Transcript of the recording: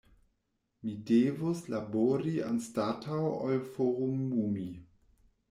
Mi devus labori anstataŭ ol forumumi.